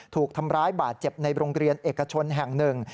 ถูกทำร้ายบาดเจ็บในโรงเรียนเอกชนแห่งหนึ่ง